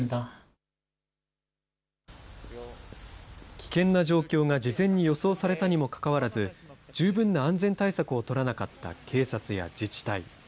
危険な状況が事前に予想されたにもかかわらず、十分な安全対策を取らなかった警察や自治体。